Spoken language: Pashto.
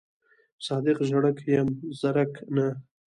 صادق ژړک یم زرک نه.